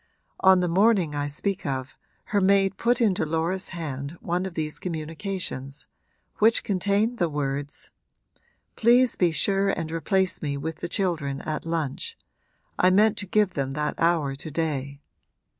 On the morning I speak of her maid put into Laura's hand one of these communications, which contained the words: 'Please be sure and replace me with the children at lunch I meant to give them that hour to day.